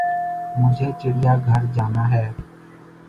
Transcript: مجھے چڑیا گھر جانا ہے